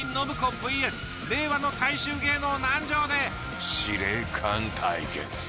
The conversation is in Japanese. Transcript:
ｖｓ令和の大衆芸能南條で司令官対決。